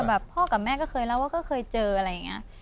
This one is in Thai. แบบพ่อกับแม่ก็เคยเล่าว่าก็เคยเจออะไรอย่างนี้